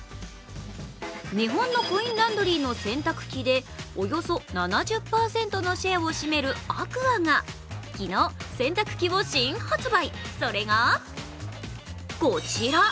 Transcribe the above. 日本のコインランドリーの洗濯機でおよそ７０％のシェアを占めるＡＱＵＡが昨日、洗濯機を新発売、それがこちら。